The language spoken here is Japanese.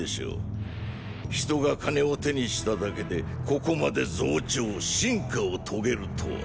人が“金”を手にしただけでここまで増長・進化をとげるとは。